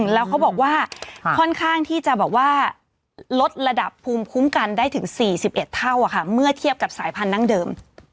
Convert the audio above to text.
แล้วเขาบอกว่าค่อนข้างที่จะแบบว่าลดระดับภูมิคุ้มกันได้ถึง๔๑เท่าเมื่อเทียบกับสายพันธั้งเดิม